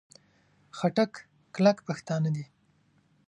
خټک کلک پښتانه دي.